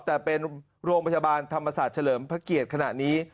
แต่เป็นโรงพยาบาลธรรมศาสตร์เฉลิมพระเกียรติขณะนี้